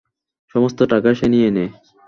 সমস্ত টাকা সে নিয়ে নেয়।